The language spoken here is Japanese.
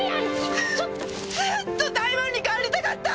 ずっと台湾に帰りたかった！